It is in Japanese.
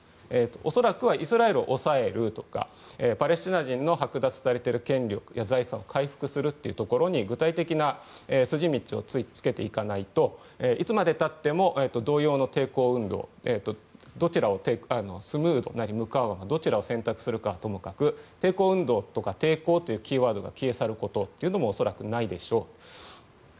恐らくはイスラエルを抑えるとかパレスチナ人の剥奪されている財力や権利を回復するところに具体的な筋道をつけていかないといつまで経っても同様の抵抗運動スムードなりムカーワマどちらを選択するかともかく抵抗運動とか抵抗というキーワードが消え去ることは恐らくないでしょう。